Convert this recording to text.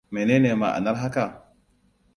Menene ma'anar haka?